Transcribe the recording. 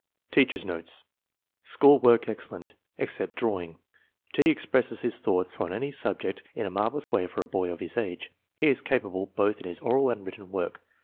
Teacher's notes. School work excellent, except drawing. " T. expresses his thoughts on any subject in a marvelous way for a boy of his age. He is capable both in his oral and written work.